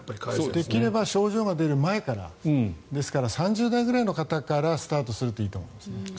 できれば症状が出る前からですから３０代ぐらいの方からスタートするといいと思います。